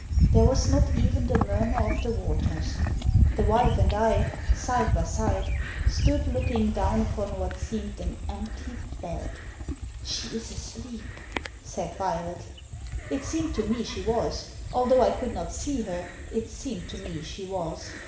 There was not even the murmur of the waters. The wife and I, side by side, stood looking down upon what seemed an empty bed. Digitized by VjOOQIC THE HOUSEBOAT 283 •• She IS asleep," said Violet It seemed to me she was : although I could not see her, it seemed to me she was.